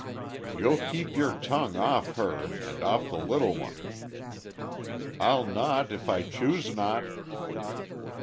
"You'll keep your tongue off her, and off the little one!" "I'll not if I choose not!"